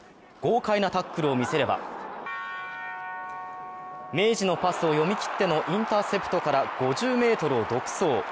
豪快なタックルを見せれば、明治のパスを読み切ってのインターセプトから５０ｍの独走。